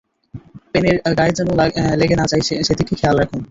প্যানের গায়ে যেন লেগে না যায় সেদিকে খেয়াল রাখুন।